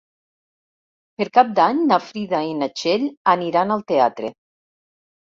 Per Cap d'Any na Frida i na Txell aniran al teatre.